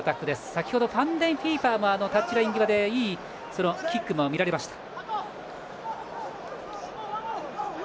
先程ファンデンヒーファーもタッチライン際でいいキックも見られました。